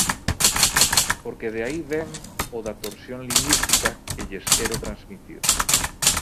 Porque de aí vén o da torsión lingüística que lles quero transmitir.